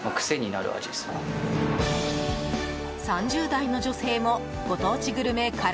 ３０代の女性もご当地グルメ辛